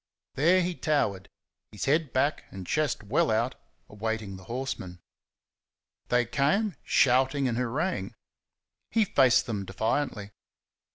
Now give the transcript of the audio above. There he towered, his head back and chest well out, awaiting the horsemen. They came, shouting and hooraying. He faced them defiantly.